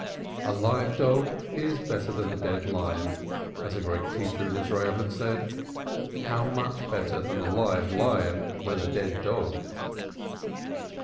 A live dog is better than a dead lion, as a great teacher in Israel had said. How much better then a live lion than a dead dog?